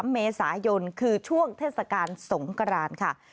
เมษายนคือช่วงเทศกาลสงกรานค่ะ